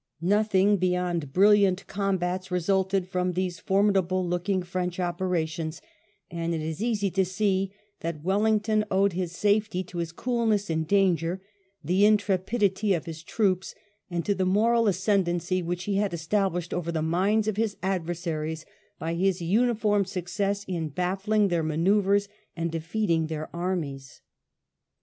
Nothing beyond brilliant combats resulted from these formidable looking French operations, and it is easy to see that Wellington owed his safety to his coolness in danger, the intrepidity of his troops, and to the moral ascendency which he had established over the minds of his adversaries by his uniform success in baflfling their manoeuvres and defeating their armies.